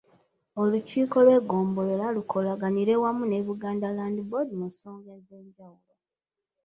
Olukiiko lw’eggombolola lukolaganire wamu ne Buganda Land Board mu nsonga ez'enjawulo.